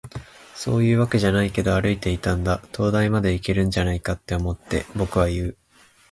「そういうわけじゃないけど、歩いていたんだ。灯台までいけるんじゃないかって思って。」、僕は言う。